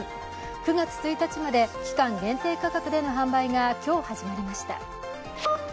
９月１日まで期間限定価格での販売が今日、始まりました。